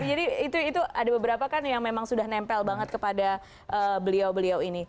jadi itu ada beberapa kan yang memang sudah nempel banget kepada beliau beliau ini